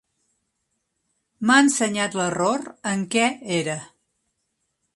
M'ha ensenyat l'error en què era.